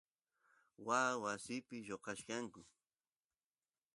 waas wasipi lloqachkanku